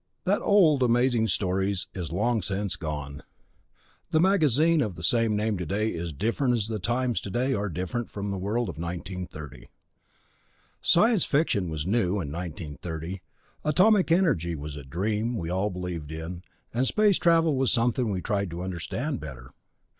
That old Amazing Stories is long since gone; the magazine of the same name today is as different as the times today are different from the world of 1930. Science fiction was new, in 1930; atomic energy was a dream we believed in, and space travel was something we tried to understand better.